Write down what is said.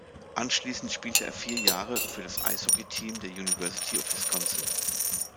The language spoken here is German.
Anschließend spielte er vier Jahre für das Eishockeyteam der University of Wisconsin.